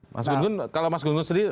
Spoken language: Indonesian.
mas gunggun kalau mas gunggun sendiri